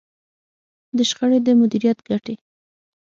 د شخړې د مديريت ګټې.